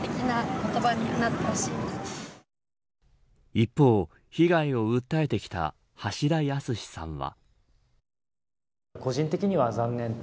一方、被害を訴えてきた橋田康さんは。